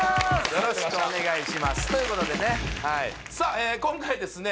よろしくお願いしますということでねはいさあ今回ですね